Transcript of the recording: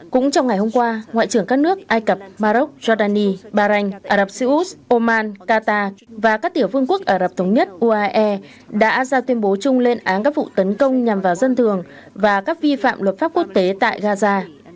cũng trong ngày hôm qua ngoại trưởng các nước ai cập mà rốc giordani bahrain ả rập xê út oman qatar và các tiểu vương quốc ả rập thống nhất uae đã ra tuyên bố chung lên án các vụ tấn công nhằm vào dân thường và các vi phạm luật pháp quốc tế tại gaza